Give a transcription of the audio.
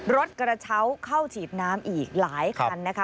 รถกระเช้าเข้าฉีดน้ำอีกหลายคันนะคะ